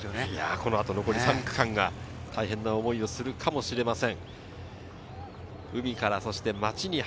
このあと残り３区間、大変な思いをするかもしれません。